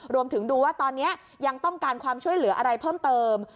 รวมถึงดูว่าตอนนี้ยังต้องการความช่วยเหลืออะไรเพิ่มเติม